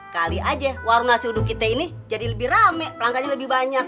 kali aja warna sudu kita ini jadi lebih rame pelangganya lebih banyak